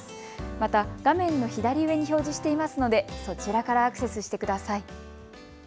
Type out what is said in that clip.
また画面の左上に表示していますのでそちらからアクセスしてください。